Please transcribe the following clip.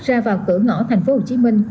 ra vào cửa ngõ tp hcm